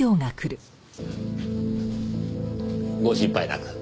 ご心配なく。